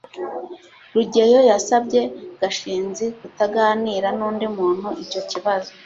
rugeyo yasabye gashinzi kutaganira n'undi muntu icyo kibazo